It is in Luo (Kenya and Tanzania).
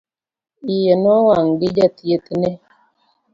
Iye nowang' gi jathiethne